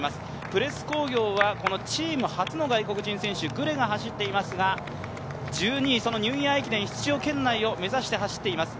プレス工業はチーム初の外国人選手、グレが走っていますが１２位、ニューイヤー駅伝出場圏内を目指して走っています。